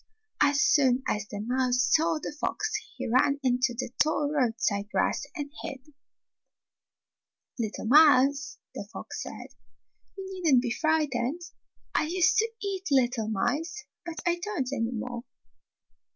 As * Fairy Tale Foxes 109 soon as the mouse saw the fox he ran into the tall roadside grass and hid. "Little mouse," the fox said, "you need n't be frightened. I used to eat little mice, but I don't any more."